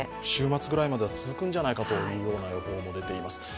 週末くらいまでは続くんじゃないかという予報も出ています。